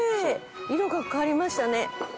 色が変わりましたね。